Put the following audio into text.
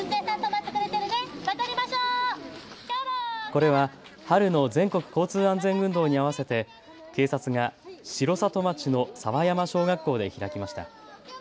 これは春の全国交通安全運動に合わせて警察が城里町の沢山小学校で開きました。